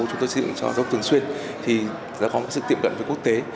chúng tôi xây dựng cho giáo dục thường xuyên thì nó có một sự tiệm cận với quốc tế